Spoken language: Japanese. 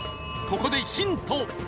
ここでヒント。